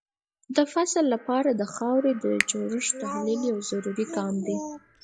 د فصل لپاره د خاورې د جوړښت تحلیل یو ضروري ګام دی.